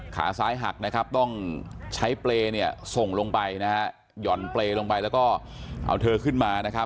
ขาซ้ายหักต้องใช้เปรย์ส่งลงไปหย่อนเปรย์ลงไปแล้วก็เอาเธอขึ้นมา